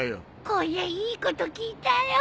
こりゃいいこと聞いたよ！